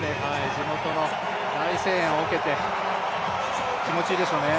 地元の大声援を受けて気持ちいいでしょうね。